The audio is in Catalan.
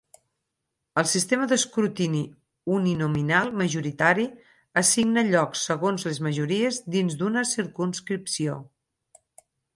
El sistema d'escrutini uninominal majoritari assigna llocs segons les majories dins d'una circumscripció.